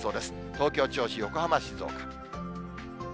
東京、銚子、横浜、静岡。